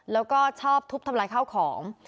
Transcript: แล้วก็ชอบทุบทำลายข้าวของ